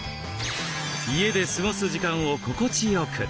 家で過ごす時間を心地よく。